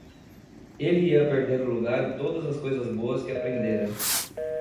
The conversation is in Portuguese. Ele ia perder o lugar e todas as coisas boas que aprendera.